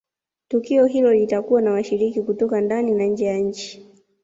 tukio hilo litakuwa na washiriki kutoka ndani na nje ya nchi